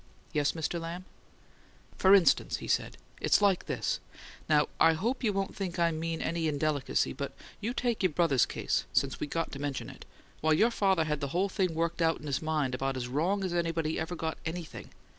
"Yes, Mr. Lamb." "For instance," he said, "it's like this. Now, I hope you won't think I mean any indelicacy, but you take your brother's case, since we got to mention it, why, your father had the whole thing worked out in his mind about as wrong as anybody ever got anything.